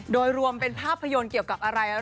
โดยรวมเป็นภาพยนตร์เกี่ยวกับอะไร